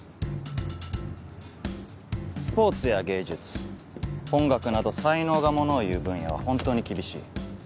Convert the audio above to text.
スポーツや芸術音楽など才能がものをいう分野は本当に厳しい。